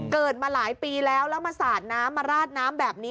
เกิดมาหลายปีแล้วแล้วมาสาดน้ำมาราดน้ำแบบนี้